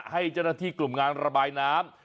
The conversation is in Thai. ให้เจ้าหน้าที่กลุ่มงานระบายน้ำ